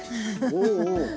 おおおお！